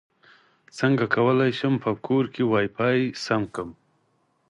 څنګه کولی شم په کور کې وائی فای سیټ کړم